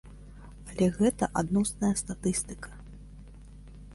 Але гэта адносная статыстыка.